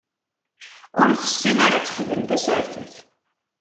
Ur tessin ara ad texdem tasertit.